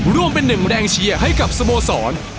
ร่วมเป็นหนึ่งแรงเชียร์ให้กับสโมสร